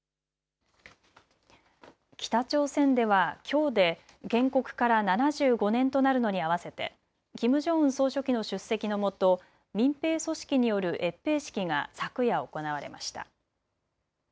北朝鮮では、きょうで建国から７５年となるのに合わせてキム・ジョンウン総書記の出席のもと、民兵組織による閲兵式が昨夜、行われました。